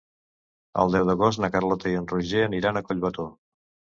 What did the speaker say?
El deu d'agost na Carlota i en Roger aniran a Collbató.